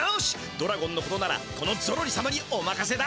ドラゴンのことならこのゾロリ様におまかせだ！